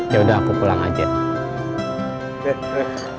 ya udah aku pulang aja duduk kamu suka sama dip biasa aja yakin cuma biasa